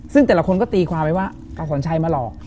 ซึ่งแต่ละคนก็ตีความไว้ว่าอาสอนชัยมาหลอก